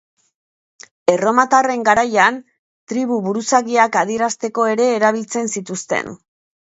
Erromatarren garaian, tribu-buruzagiak adierazteko ere erabiltzen zituzten.